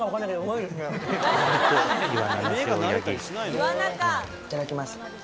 いただきます。